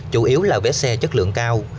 chủ yếu là vé xe chất lượng cao